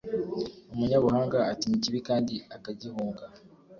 Umunyabuhanga atinya ikibi kandi akagihunga